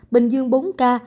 bình dương bốn ca